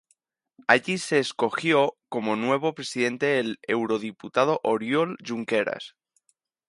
Allí se escogió como nuevo presidente al eurodiputado Oriol Junqueras.